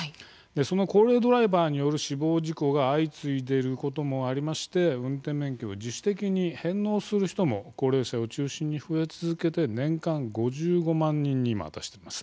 その高齢ドライバーによる死亡事故が相次いでいることもありまして、運転免許を自主的に返納する人も高齢者を中心に増え続けて年間５５万人に今は達しています。